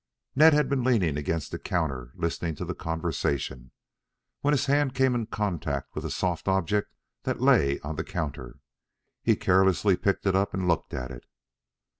Ned had been leaning against the counter listening to the conversation, when his hand came in contact with a soft object that lay on the counter. He carelessly picked it up and looked at it.